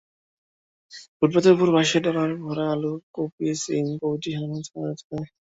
ফুটপাতের ওপর বাঁশের ডালায় ভরা আলু, কপি, শিম প্রভৃতি সাজানো থরে থরে।